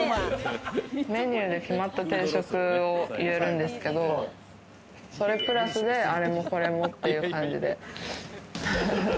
メニューで決まった定食を言えるんですけど、それプラスで、あれもこれもっていう感じで。